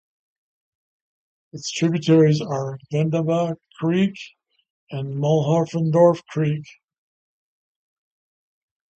Its tributaries are Venema Creek and Mohlendorph Creek.